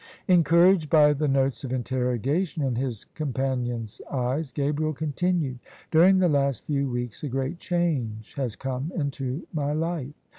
Encouraged by the notes of interrogation in his compan ion's eyes, Gabriel continued :" During the last few weeks a great change has come into my life.